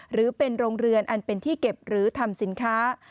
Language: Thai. หรือเป็นโรงเรือนอันเป็นที่เก็บหรือทำสินค้า